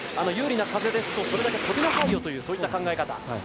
有利な風ですと、それだけ飛びなさいよという考え方。